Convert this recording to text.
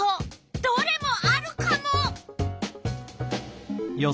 どれもあるカモ！